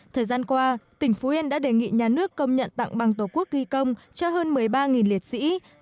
thời gian qua tỉnh phú yên đã đề nghị nhà nước công nhận tặng bằng tổ quốc ghi công cho hơn một mươi ba liệt sĩ